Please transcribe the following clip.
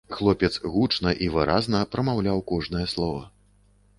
Хлопец гучна і выразна прамаўляў кожнае слова.